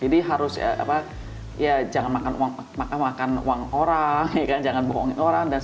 jadi harus ya apa ya jangan makan uang orang ya kan jangan bohongin orang